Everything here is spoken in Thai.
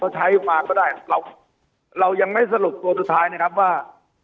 เขาใช้มาก็ได้เราเรายังไม่สรุปตัวสุดท้ายนะครับว่า